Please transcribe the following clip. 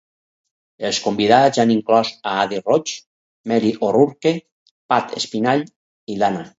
Els convidats han inclòs a Adi Roche, Mary O'Rourke, Pat Spillane i Dana.